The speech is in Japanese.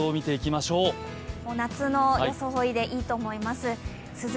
夏の装いでいいと思います。